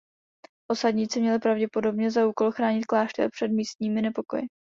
Osadníci měli pravděpodobně za úkol chránit klášter před místními nepokoji.